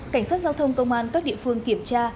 cảnh sát giao thông công an các địa phương kiểm tra